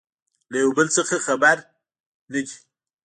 له يو بل څخه خبر نه دي